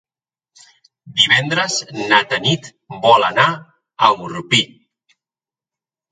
Divendres na Tanit vol anar a Orpí.